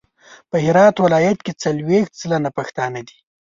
په هرات ولایت کې څلویښت سلنه پښتانه دي.